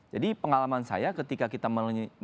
jadi pengalaman saya ketika kita melakukan penyelidikan